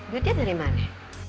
duitnya dari mana